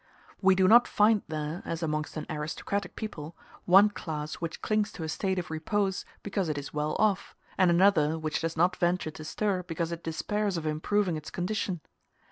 We do not find there, as amongst an aristocratic people, one class which clings to a state of repose because it is well off; and another which does not venture to stir because it despairs of improving its condition.